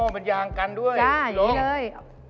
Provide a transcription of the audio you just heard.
อ๋อมันยางกันด้วย